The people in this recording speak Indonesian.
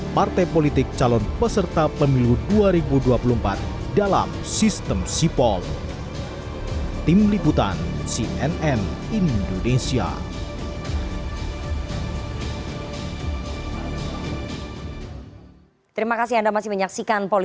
partai politik calon peserta pemilu dua ribu dua puluh empat dalam sistem sipol